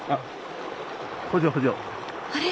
あれ？